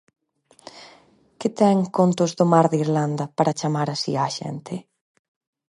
Que ten Contos do mar de Irlanda para chamar así á xente?